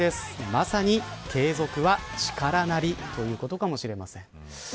まさに継続は力なりということかもしれません。